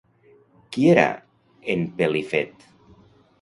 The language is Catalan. Qui era en Pelifet?